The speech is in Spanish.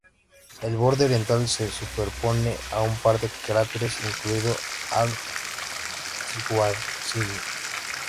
El borde oriental se superpone a un par de cráteres, incluido "Al-Khwarizmi J".